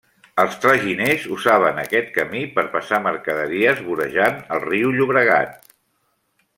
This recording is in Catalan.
Els traginers usaven aquest camí per passar mercaderies, vorejant el riu Llobregat.